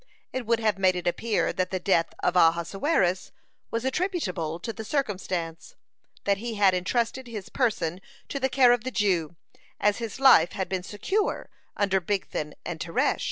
It would have made it appear that the death of Ahasuerus was attributable to the circumstance, that he had entrusted his person to the care of the Jew, as his life had been secure under Bigthan and Teresh.